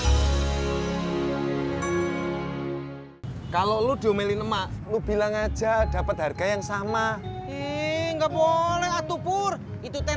hai kalau lu jomelin emak lu bilang aja dapat harga yang sama nggak boleh atuh pur itu teh